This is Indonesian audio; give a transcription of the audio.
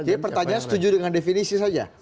bapak ibu apakah setuju dengan definisi saja